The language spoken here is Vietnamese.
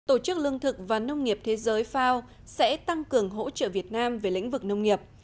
tổ chức lương thực và nông nghiệp thế giới fao sẽ tăng cường hỗ trợ việt nam về lĩnh vực nông nghiệp